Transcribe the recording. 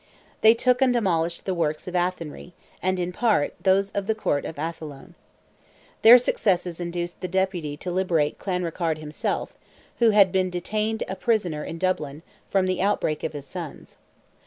They took and demolished the works of Athenry, and, in part, those of the Court of Athlone. Their successes induced the Deputy to liberate Clanrickarde himself, who had been detained a prisoner in Dublin, from the outbreak of his sons.